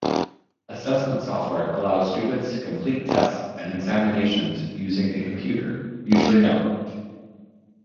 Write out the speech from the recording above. Assessment software allows students to complete tests and examinations using a computer, usually networked.